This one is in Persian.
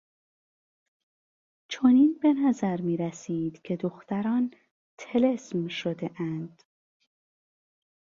چنین به نظر میرسید که دختران طلسم شدهاند.